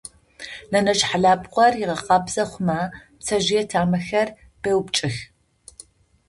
Нэнэжъ хьалабгъор ыгъэкъабзэ хъумэ пцэжъые тамэхэр пеупкӏых.